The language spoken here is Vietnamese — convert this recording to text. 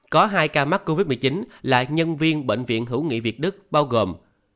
có hai ca mắc covid một mươi chín là nhân viên bệnh viện hữu nghị việt đức bao gồm